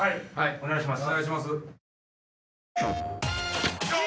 お願いします。